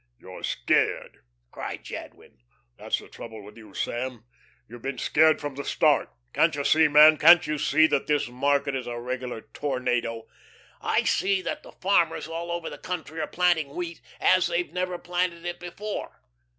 "You're scared," cried Jadwin. "That's the trouble with you, Sam. You've been scared from the start. Can't you see, man, can't you see that this market is a regular tornado?" "I see that the farmers all over the country are planting wheat as they've never planted it before.